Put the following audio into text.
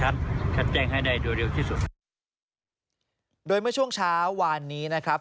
โดยเมื่อช่วงเช้าวานนี้นะครับ